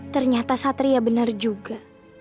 ternyata satria benar juga